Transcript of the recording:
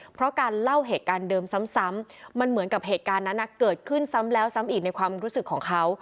เพราะการเล่าเหตุการณ์เดิมซ้ำมันเหมือนกับเหตุการณ์นั้นเกิดขึ้นซ้ำแล้วซ้ำอีกในความรู้สึกของเขา